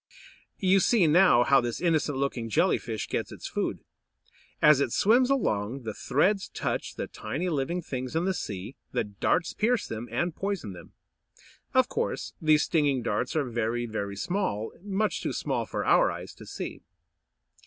You see now how this innocent looking Jelly fish gets its food. As it swims along, the threads touch the tiny living things in the sea, the darts pierce them and poison them. Of course these stinging darts are very, very small, much too small for our eyes to see.